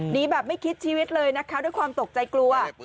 หนีแบบไม่คิดชีวิตเลยนะคะด้วยความตกใจกลัว